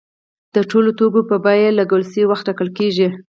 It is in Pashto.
د ټولو توکو بیه په لګول شوي وخت ټاکل کیږي.